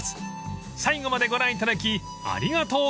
［最後までご覧いただきありがとうございました］